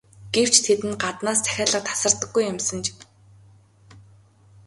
Гэвч тэдэнд гаднаас захиалга тасардаггүй юмсанж.